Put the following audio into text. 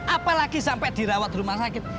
apalagi sampai dirawat di rumah sakit